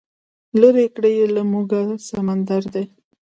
لرې کړی یې له موږه سمندر دی